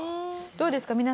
どうですか？